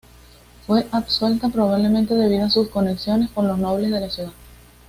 Fue absuelta, probablemente debido a sus conexiones con los nobles de la ciudad.